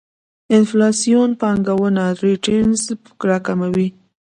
انفلاسیون پانګونه ريټرنز راکموي.